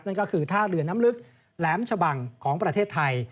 นั่นก็คือท่าเรือน้ำลึกแหลมชะบังของประเทศไทย